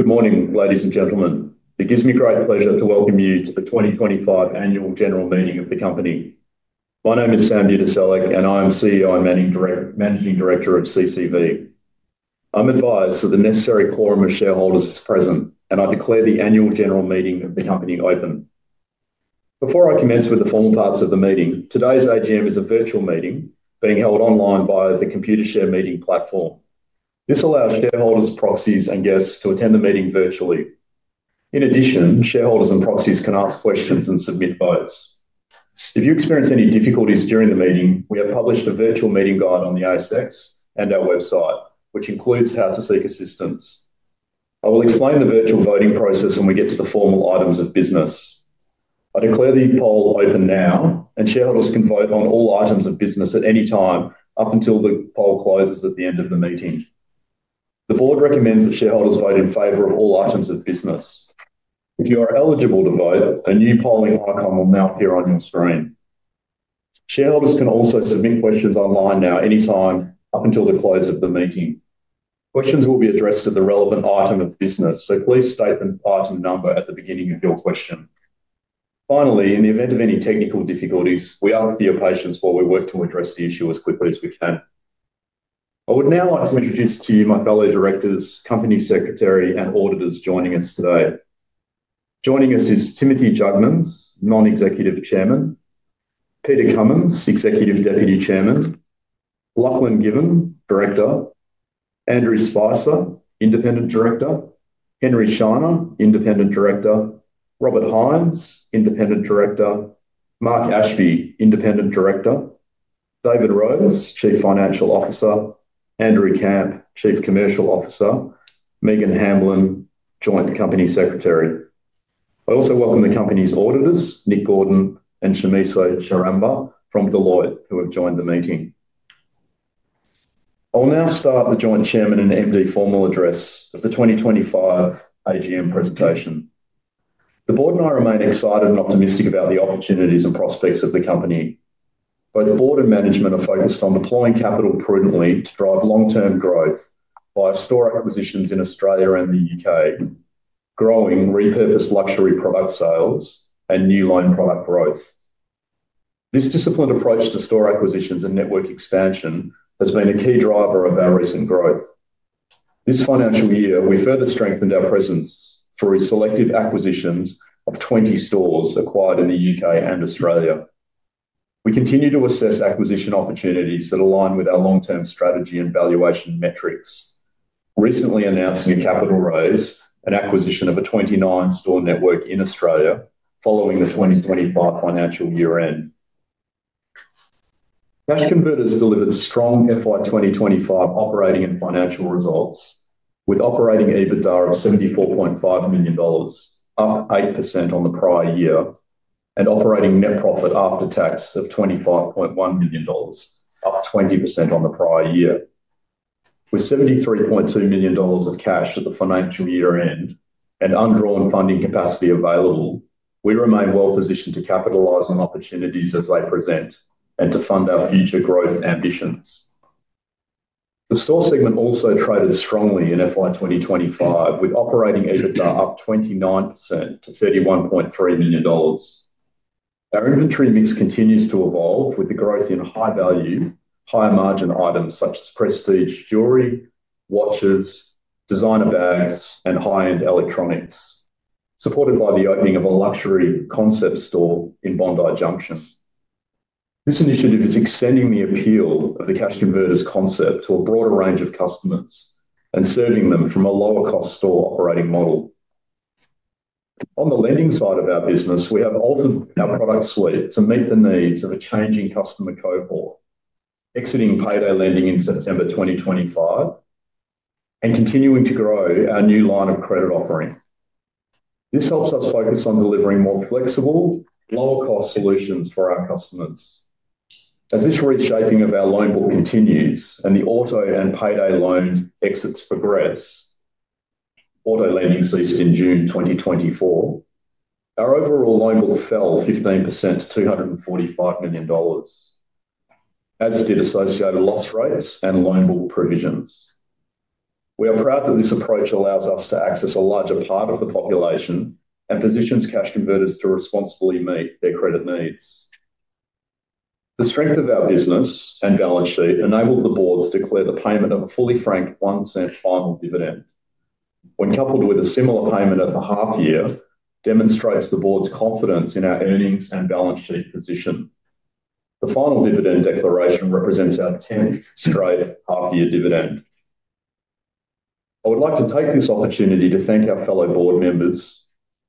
Good morning, ladies and gentlemen. It gives me great pleasure to welcome you to the 2025 Annual General Meeting of the Company. My name is Sam Budiselik, and I am CEO and Managing Director of CCV. I'm advised that the necessary quorum of shareholders is present, and I declare the Annual General Meeting of the Company open. Before I commence with the formal parts of the meeting, today's AGM is a virtual meeting, being held online via the Computershare Meeting Platform. This allows shareholders, proxies, and guests to attend the meeting virtually. In addition, shareholders and proxies can ask questions and submit votes. If you experience any difficulties during the meeting, we have published a virtual meeting guide on the ASX and our website, which includes how to seek assistance. I will explain the virtual voting process when we get to the formal items of business. I declare the poll open now, and shareholders can vote on all items of business at any time up until the poll closes at the end of the meeting. The board recommends that shareholders vote in favor of all items of business. If you are eligible to vote, a new polling icon will now appear on your screen. Shareholders can also submit questions online now any time up until the close of the meeting. Questions will be addressed to the relevant item of business, so please state the item number at the beginning of your question. Finally, in the event of any technical difficulties, we ask for your patience while we work to address the issue as quickly as we can. I would now like to introduce to you my fellow directors, company secretary, and auditors joining us today. Joining us is Timothy Jugmans, Non-Executive Chairman; Peter Cummins, Executive Deputy Chairman; Lachlan Gibbon, Director; Andrew Spicer, Independent Director; Henry Scheiner, Independent Director; Robert Hines, Independent Director; Mark Ashby, Independent Director; David Rose, Chief Financial Officer; Andrew Kamp, Chief Commercial Officer; Megan Hamblin, Joint Company Secretary. I also welcome the company's auditors, Nick Gordon and Shamiso Charamba from Deloitte, who have joined the meeting. I'll now start the Joint Chairman and MD formal address of the 2025 AGM presentation. The board and I remain excited and optimistic about the opportunities and prospects of the company. Both board and management are focused on deploying capital prudently to drive long-term growth via store acquisitions in Australia and the UK, growing repurposed luxury product sales and new loan product growth. This disciplined approach to store acquisitions and network expansion has been a key driver of our recent growth. This financial year, we further strengthened our presence through selective acquisitions of 20 stores acquired in the UK and Australia. We continue to assess acquisition opportunities that align with our long-term strategy and valuation metrics, recently announcing a capital raise and acquisition of a 29-store network in Australia following the 2025 financial year-end. Cash Converters delivered strong FY 2025 operating and financial results, with operating EBITDA of AUD 74.5 million, up 8% on the prior year, and operating Net Profit After Tax of AUD 25.1 million, up 20% on the prior year. With AUD 73.2 million of cash at the financial year-end and undrawn funding capacity available, we remain well positioned to capitalize on opportunities as they present and to fund our future growth ambitions. The store segment also traded strongly in FY 2025, with operating EBITDA up 29% to 31.3 million dollars. Our inventory mix continues to evolve with the growth in high-value, higher-margin items such as prestige jewelery, watches, designer bags, and high-end electronics, supported by the opening of a luxury concept store in Bondi Junction. This initiative is extending the appeal of the Cash Converters concept to a broader range of customers and serving them from a lower-cost store operating model. On the lending side of our business, we have altered our product suite to meet the needs of a changing customer cohort, exiting Payday lending in September 2025, and continuing to grow our new Line of Credit offering. This helps us focus on delivering more flexible, lower-cost solutions for our customers. As this reshaping of our loan book continues and the auto and payday loans exits progress, Auto lending ceased in June 2024, our overall loan book fell 15% to 245 million dollars, as did associated loss rates and loan book provisions. We are proud that this approach allows us to access a larger part of the population and positions Cash Converters to responsibly meet their credit needs. The strength of our business and balance sheet enabled the board to declare the payment of a fully franked one-cent final dividend, when coupled with a similar payment at the half-year, demonstrates the board's confidence in our earnings and balance sheet position. The final dividend declaration represents our 10th straight half-year dividend. I would like to take this opportunity to thank our fellow board members,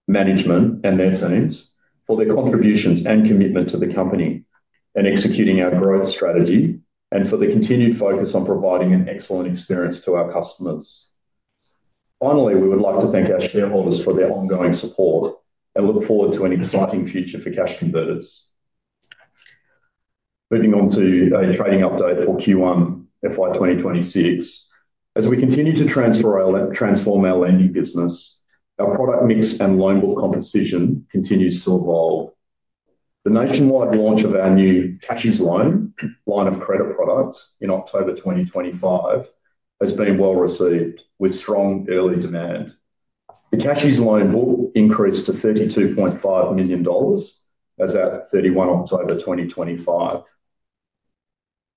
management, and their teams for their contributions and commitment to the company and executing our growth strategy, and for the continued focus on providing an excellent experience to our customers. Finally, we would like to thank our shareholders for their ongoing support and look forward to an exciting future for Cash Converters. Moving on to a trading update for Q1 FY 2026. As we continue to transform our lending business, our product mix and loan book composition continues to evolve. The nationwide launch of our new Cashies Loan line of credit product in October 2025 has been well received, with strong early demand. The Cashies Loan book increased to AUD 32.5 million as at 31 October 2025.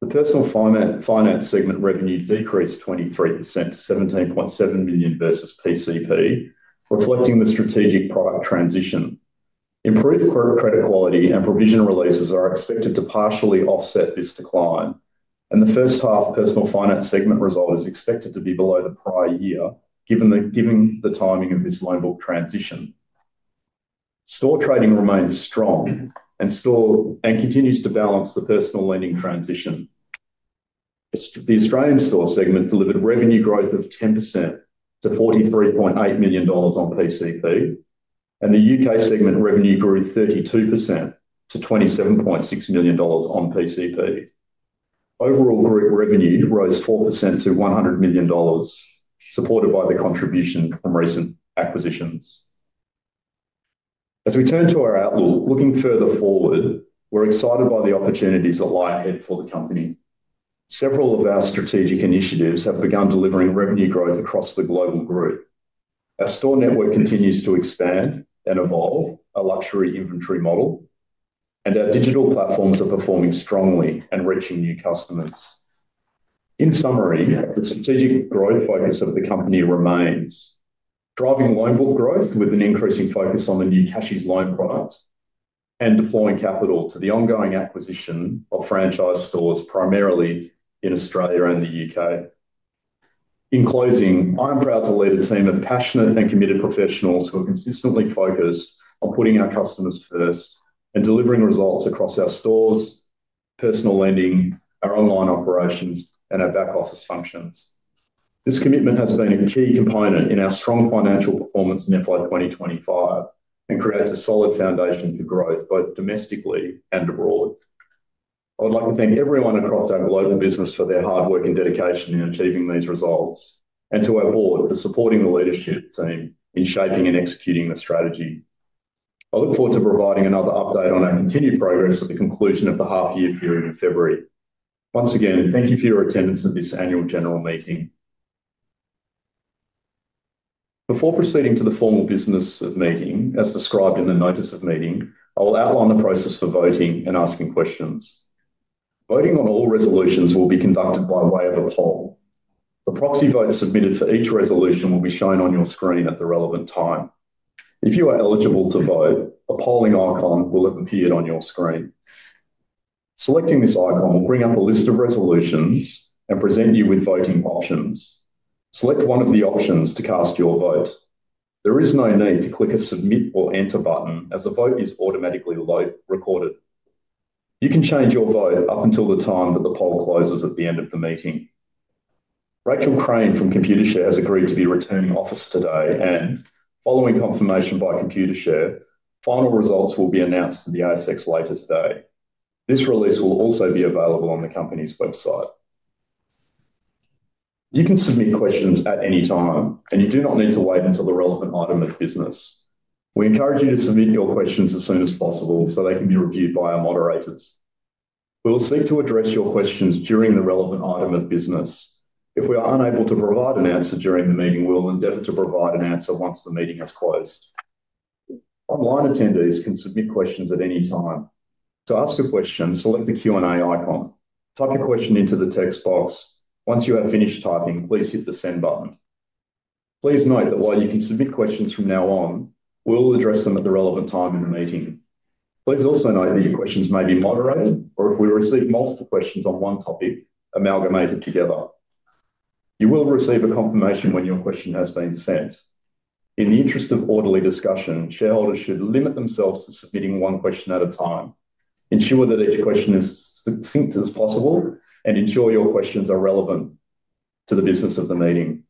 The personal finance segment revenue decreased 23% to 17.7 million versus PCP, reflecting the strategic product transition. Improved credit quality and provision releases are expected to partially offset this decline, and the first half personal finance segment result is expected to be below the prior year, given the timing of this loan book transition. Store trading remains strong and continues to balance the personal lending transition. The Australian store segment delivered revenue growth of 10% to 43.8 million dollars on PCP, and the UK segment revenue grew 32% to 27.6 million dollars on PCP. Overall group revenue rose 4% to 100 million dollars, supported by the contribution from recent acquisitions. As we turn to our outlook, looking further forward, we're excited by the opportunities ahead for the company. Several of our strategic initiatives have begun delivering revenue growth across the global group. Our store network continues to expand and evolve, our luxury inventory model, and our digital platforms are performing strongly and reaching new customers. In summary, the strategic growth focus of the company remains: driving loan book growth with an increasing focus on the new Cashies Loan product and deploying capital to the ongoing acquisition of franchise stores primarily in Australia and the UK. In closing, I am proud to lead a team of passionate and committed professionals who are consistently focused on putting our customers first and delivering results across our stores, personal lending, our online operations, and our back office functions. This commitment has been a key component in our strong financial performance in FY 2025 and creates a solid foundation for growth both domestically and abroad. I would like to thank everyone across our global business for their hard work and dedication in achieving these results, and to our board for supporting the leadership team in shaping and executing the strategy. I look forward to providing another update on our continued progress at the conclusion of the half-year period in February. Once again, thank you for your attendance at this Annual General Meeting. Before proceeding to the formal business of meeting, as described in the notice of meeting, I will outline the process for voting and asking questions. Voting on all resolutions will be conducted by way of a poll. The proxy votes submitted for each resolution will be shown on your screen at the relevant time. If you are eligible to vote, a polling icon will have appeared on your screen. Selecting this icon will bring up a list of resolutions and present you with voting options. Select one of the options to cast your vote. There is no need to click a submit or enter button, as the vote is automatically recorded. You can change your vote up until the time that the poll closes at the end of the meeting. Rachel Crane from Computershare has agreed to be returning officer today and, following confirmation by Computershare, final results will be announced to the ASX later today. This release will also be available on the company's website. You can submit questions at any time, and you do not need to wait until the relevant item of business. We encourage you to submit your questions as soon as possible so they can be reviewed by our moderators. We will seek to address your questions during the relevant item of business. If we are unable to provide an answer during the meeting, we will endeavor to provide an answer once the meeting has closed. Online attendees can submit questions at any time. To ask a question, select the Q&A icon. Type your question into the text box. Once you have finished typing, please hit the send button. Please note that while you can submit questions from now on, we will address them at the relevant time in the meeting. Please also note that your questions may be moderated or, if we receive multiple questions on one topic, amalgamated together. You will receive a confirmation when your question has been sent. In the interest of orderly discussion, shareholders should limit themselves to submitting one question at a time, ensure that each question is as succinct as possible, and ensure your questions are relevant to the business of the meeting.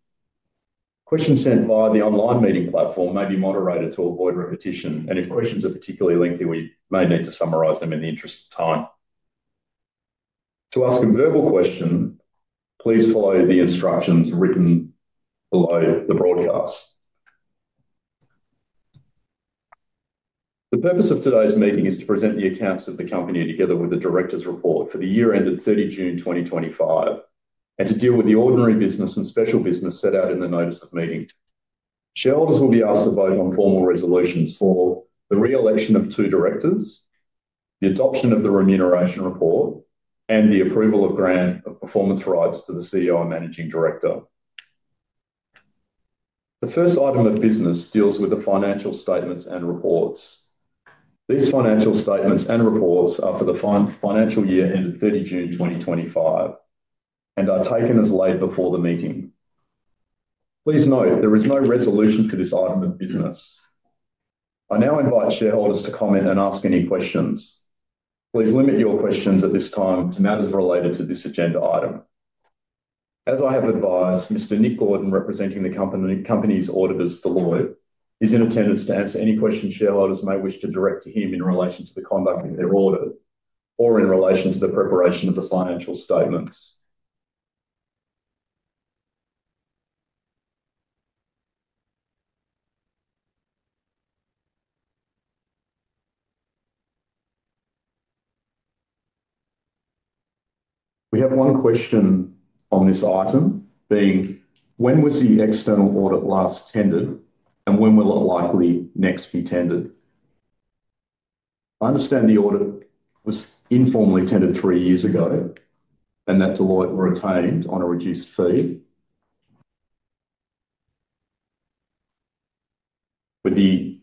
Questions sent via the online meeting platform may be moderated to avoid repetition, and if questions are particularly lengthy, we may need to summarise them in the interest of time. To ask a verbal question, please follow the instructions written below the broadcast. The purpose of today's meeting is to present the accounts of the company together with the directors' report for the year-end of 30 June 2025, and to deal with the ordinary business and special business set out in the notice of meeting. Shareholders will be asked to vote on formal resolutions for the re-election of two directors, the adoption of the remuneration report, and the approval of grant of performance rights to the CEO and Managing Director. The first item of business deals with the financial statements and reports. These financial statements and reports are for the financial year-end of 30 June 2025 and are taken as laid before the meeting. Please note there is no resolution to this item of business. I now invite shareholders to comment and ask any questions. Please limit your questions at this time to matters related to this agenda item. As I have advised, Mr. Nick Gordon, representing the company's auditors, Deloitte, is in attendance to answer any questions shareholders may wish to direct to him in relation to the conduct of their audit or in relation to the preparation of the financial statements. We have one question on this item being: when was the external audit last tendered and when will it likely next be tendered? I understand the audit was informally tendered three years ago and that Deloitte retained on a reduced fee with the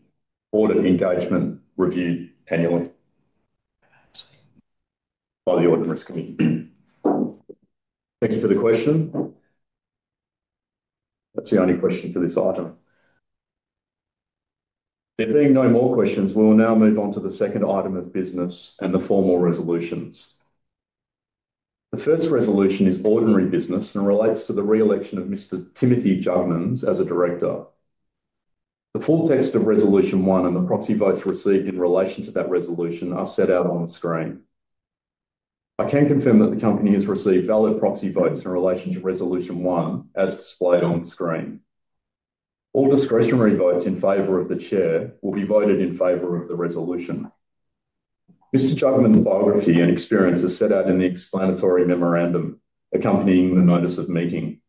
audit engagement reviewed annually by the audit risk committee. Thank you for the question. That's the only question for this item. There being no more questions, we will now move on to the second item of business and the formal resolutions. The first resolution is ordinary business and relates to the re-election of Mr. Timothy Jugmans as a director. The full text of Resolution 1 and the proxy votes received in relation to that resolution are set out on the screen. I can confirm that the company has received valid proxy votes in relation to Resolution 1, as displayed on the screen. All discretionary votes in favor of the chair will be voted in favor of the resolution. Mr. Jugmans' biography and experience are set out in the explanatory memorandum accompanying the notice of meeting.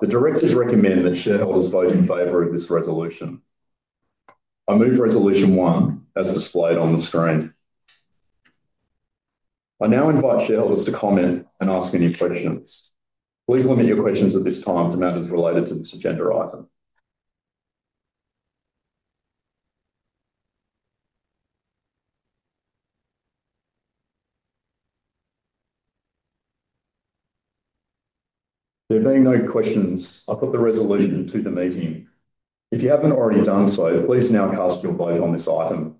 The directors recommend that shareholders vote in favor of this resolution. I move Resolution 1, as displayed on the screen. I now invite shareholders to comment and ask any questions. Please limit your questions at this time to matters related to this agenda item. There being no questions, I put the resolution to the meeting. If you have not already done so, please now cast your vote on this item.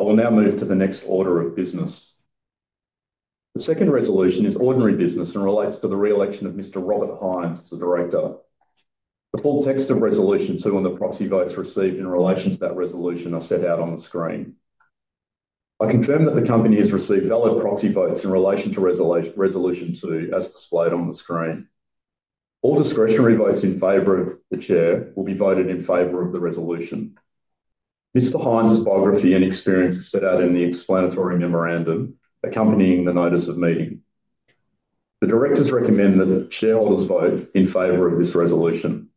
I will now move to the next order of business. The second resolution is ordinary business and relates to the re-election of Mr. Robert Hines as a director. The full text of Resolution 2 and the proxy votes received in relation to that resolution are set out on the screen. I confirm that the company has received valid proxy votes in relation to Resolution 2, as displayed on the screen. All discretionary votes in favor of the chair will be voted in favor of the resolution. Mr. Hines' biography and experience are set out in the explanatory memorandum accompanying the notice of meeting. The directors recommend that shareholders vote in favor of this resolution.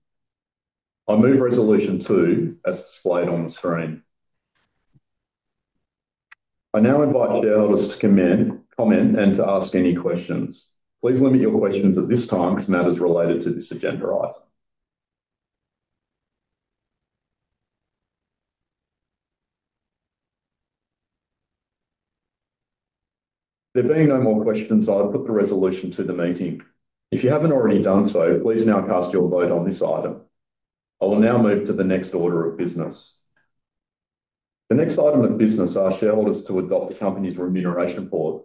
I move Resolution 2, as displayed on the screen. I now invite shareholders to comment and to ask any questions. Please limit your questions at this time to matters related to this agenda item. There being no more questions, I'll put the resolution to the meeting. If you haven't already done so, please now cast your vote on this item. I will now move to the next order of business. The next item of business asks shareholders to adopt the company's remuneration report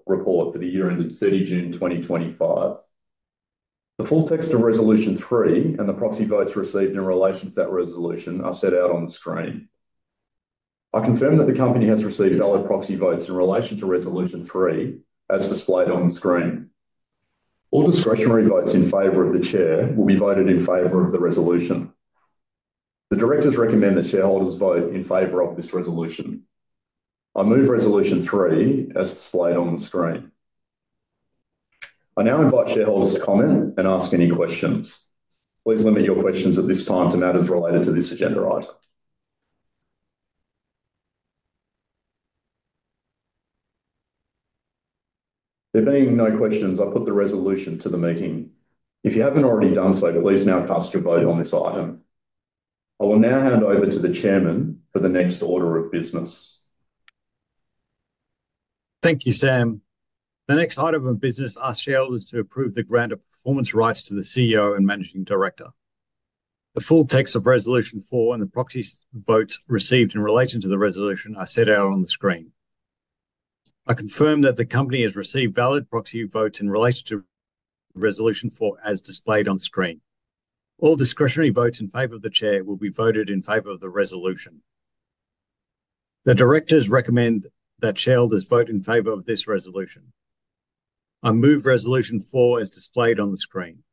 for the year-end of 30 June 2025. The full text of Resolution 3 and the proxy votes received in relation to that resolution are set out on the screen. I confirm that the company has received valid proxy votes in relation to Resolution 3, as displayed on the screen. All discretionary votes in favor of the chair will be voted in favor of the resolution. The directors recommend that shareholders vote in favor of this resolution. I move Resolution 3, as displayed on the screen. I now invite shareholders to comment and ask any questions. Please limit your questions at this time to matters related to this agenda item. There being no questions, I put the resolution to the meeting. If you haven't already done so, please now cast your vote on this item. I will now hand over to the Chairman for the next order of business. Thank you, Sam. The next item of business asks shareholders to approve the grant of performance rights to the CEO and Managing Director. The full text of Resolution 4 and the proxy votes received in relation to the resolution are set out on the screen. I confirm that the company has received valid proxy votes in relation to Resolution 4, as displayed on the screen. All discretionary votes in favor of the Chair will be voted in favor of the resolution. The directors recommend that shareholders vote in favor of this resolution. I move Resolution 4, as displayed on the screen.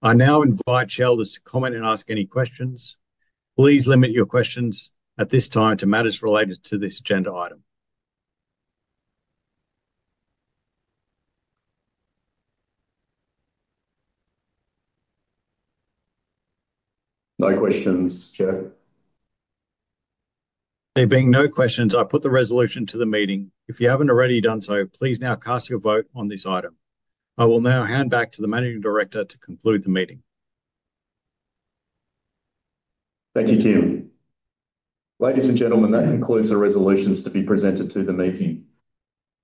I now invite shareholders to comment and ask any questions. Please limit your questions at this time to matters related to this agenda item. No questions, Chair. There being no questions, I put the resolution to the meeting. If you haven't already done so, please now cast your vote on this item. I will now hand back to the Managing Director to conclude the meeting. Thank you, Tim. Ladies and gentlemen, that concludes the resolutions to be presented to the meeting.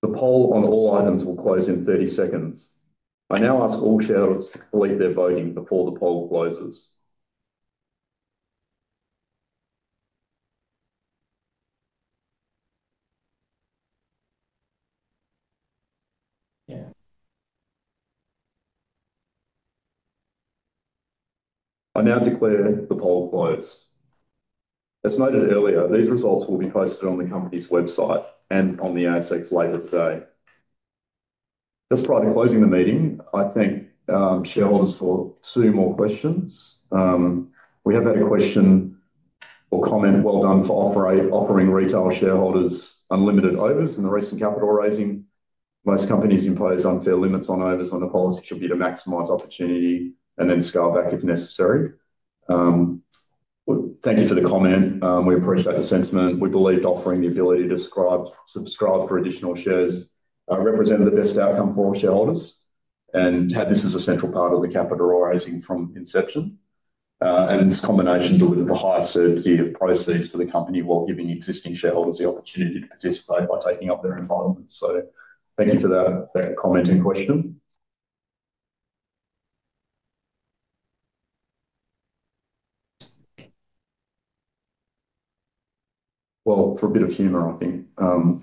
The poll on all items will close in 30 seconds. I now ask all shareholders to complete their voting before the poll closes. I now declare the poll closed. As noted earlier, these results will be posted on the company's website and on the ASX later today. Just prior to closing the meeting, I thank shareholders for two more questions. We have had a question or comment: well done for offering retail shareholders unlimited overs in the recent capital raising. Most companies impose unfair limits on overs when the policy should be to maximize opportunity and then scale back if necessary. Thank you for the comment. We appreciate the sentiment. We believe that offering the ability to subscribe for additional shares represented the best outcome for all shareholders and had this as a central part of the capital raising from inception. This combination delivered the highest certainty of proceeds for the company while giving existing shareholders the opportunity to participate by taking up their entitlements. Thank you for that comment and question. For a bit of humor, I think.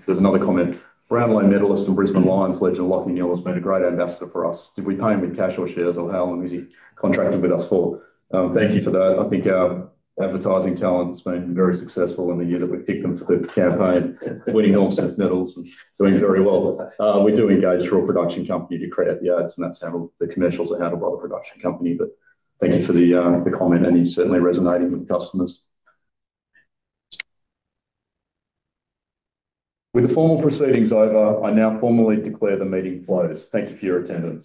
There's another comment: Brownlow Medallist and Brisbane Lions legend, Lachlan Neale, made a great ambassador for us. Did we pay him with cash or shares, or how long has he contracted with us for? Thank you for that. I think our advertising talent has been very successful in the year that we picked them for the campaign, winning all the medals, and doing very well. We do engage through a production company to credit the ads, and that is how the commercials are handled by the production company. Thank you for the comment, and he is certainly resonating with customers. With the formal proceedings over, I now formally declare the meeting closed. Thank you for your attendance.